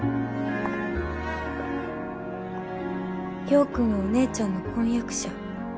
陽君はお姉ちゃんの婚約者。